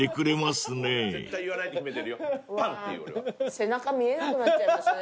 背中見えなくなっちゃいましたね